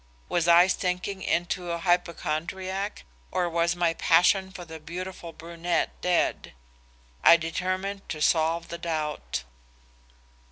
Was I sinking into a hypochrondriac? or was my passion for the beautiful brunette dead? I determined to solve the doubt.